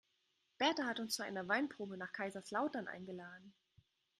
Berta hat uns zu einer Weinprobe nach Kaiserslautern eingeladen.